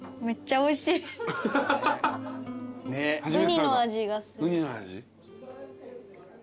ウニの味がする。